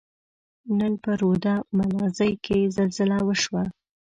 نن په رود ملازۍ کښي زلزله وشوه.